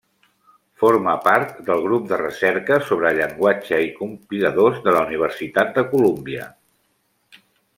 Forma part del grup de recerca sobre Llenguatge i Compiladors de la Universitat de Colúmbia.